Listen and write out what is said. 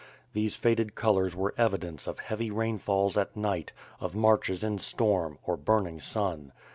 These faded colors were evidence of heavy rainfalls at night, of marches in storm, or burning sun.